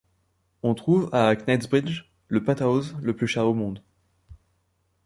On trouve à Knightsbridge le penthouse le plus cher au monde.